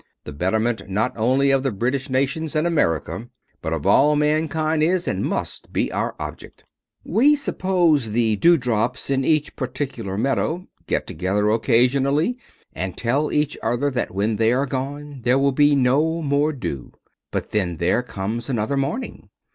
The betterment not only of the British nations and America, but of all mankind, is and must be our object." We suppose the dewdrops in each particular meadow get together occasionally and tell each other that when they are gone there will be no more dew. But then there comes another morning.